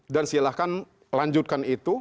dan silakan lanjutkan itu